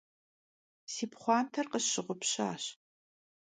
Si pxhuanter khısşığupşaş.